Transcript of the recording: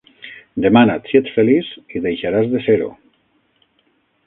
Demana't si ets feliç i deixaràs de ser-ho.